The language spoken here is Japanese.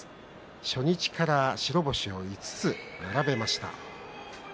初日から白星を５つ並べました。